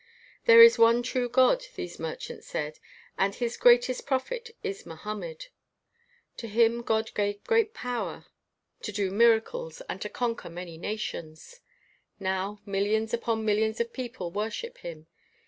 " There is one true God," these merchants said, "and his greatest prophet is Moham med. To him God gave great power to do 12 INTERVIEW WITH A BLACK KING miracles and to conquer many nations. Now, millions upon millions of people wor ship him.